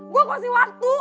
gue kasih waktu